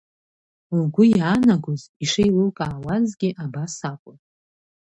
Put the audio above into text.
Лгәы иаанагоз, ишеилылкаауазгьы абас акәын.